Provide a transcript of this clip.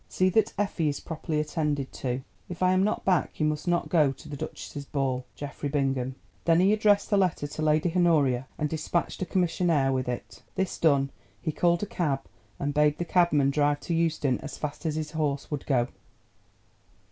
See that Effie is properly attended to. If I am not back you must not go to the duchess's ball.—GEOFFREY BINGHAM." Then he addressed the letter to Lady Honoria and dispatched a commissionaire with it. This done, he called a cab and bade the cabman drive to Euston as fast as his horse could go.